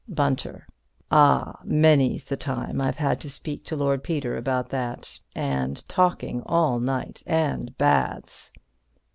Bunter: Ah, many's the time I've had to speak to Lord Peter about that. And talking all night. And baths.